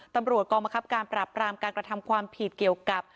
ตำรวจกองบังคับการปราบรามการกระทำความผิดเกี่ยวกับ